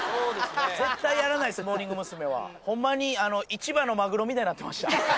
絶対やらないですよモーニング娘。はホンマに市場のマグロみたいになってました